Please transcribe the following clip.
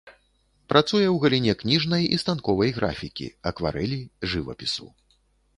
Працуе ў галіне кніжнай і станковай графікі, акварэлі, жывапісу.